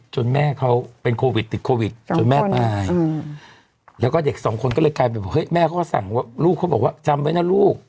แม่เขาเป็นโควิดติดโควิดจนแม่ตายแล้วก็เด็กสองคนก็เลยกลายเป็นว่าเฮ้ยแม่เขาก็สั่งว่าลูกเขาบอกว่าจำไว้นะลูก